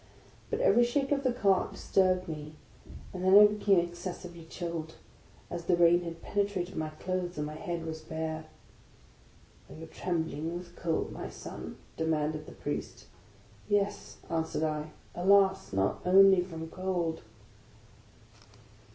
But every shake of the cart disturbed me; and then I be came excessively chilled, as the rain had penetrated my clothes, and my head was bare. " Are you trembling with cold, my son ?" demanded the Priest. " Yes," answered I. " Alas! not only from cold."